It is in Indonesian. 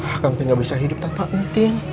akang tidak bisa hidup tanpamu tin